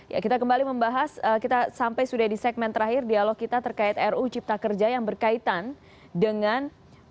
ya kita kembali membahas kita sampai sudah di segmen terakhir dialog kita terkait ruu cipta kerja yang berkaitan dengan